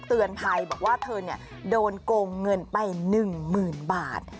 เตือนภัยบอกว่าเธอโดนโกงเงินไป๑๐๐๐บาท